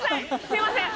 すいません！